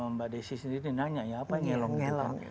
mbak desi sendiri nanya ya apa ngelong itu kan